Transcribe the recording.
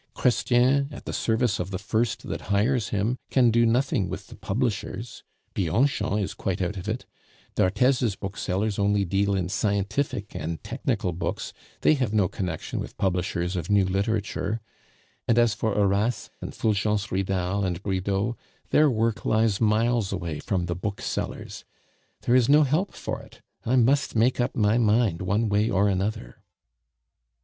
Chrestien, at the service of the first that hires him, can do nothing with the publishers; Bianchon is quite out of it; d'Arthez's booksellers only deal in scientific and technical books they have no connection with publishers of new literature; and as for Horace and Fulgence Ridal and Bridau, their work lies miles away from the booksellers. There is no help for it; I must make up my mind one way or another."